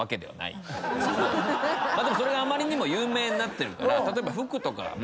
でもそれがあまりにも有名になってるから服とか。